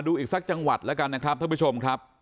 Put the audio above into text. ดูอีกซักจังหวัดแล้วกันทุกผู้ชมครับ